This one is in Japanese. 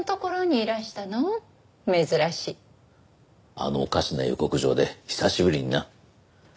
あのおかしな予告状で久しぶりにな。